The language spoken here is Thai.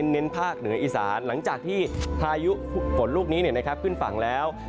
เน้นภาคเหนืออีสานหลังจากที่พายุฝนลูกนี้ขึ้นฝั่งแล้ว